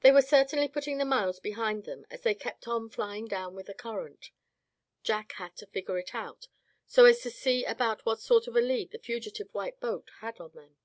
They were certainly putting the miles behind them as they kept on flying down with the current. Jack had to figure it out, so as to see about what sort of a lead the fugitive white boat had on them.